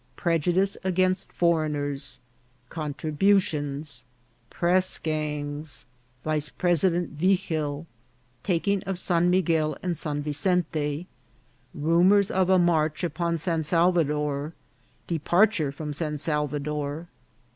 — Prejudice against Foreigners. — Contributions. — Pressgangs. — Vice president Vigil.— Taking of San Miguel and San Vicente, — Rumours of a March upon San Salvador. — Departure from San Salvador.